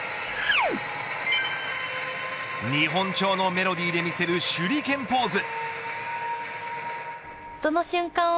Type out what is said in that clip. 日本調のメロディーで見せる手裏剣ポーズ。